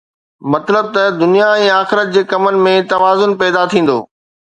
مطلب ته دنيا ۽ آخرت جي ڪمن ۾ توازن پيدا ٿيندو.